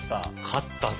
勝ったぜ！